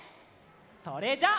それじゃあ。